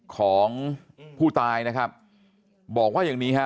ของผู้ตายนะครับบอกว่าอย่างนี้ฮะ